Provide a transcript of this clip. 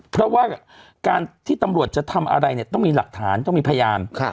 เพราะว่าการที่ตำรวจจะทำอะไรเนี่ยต้องมีหลักฐานต้องมีพยาน